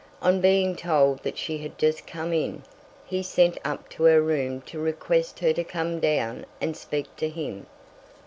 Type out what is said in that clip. On being told that she had just come in, he sent up to her room to request her to come down and speak to him.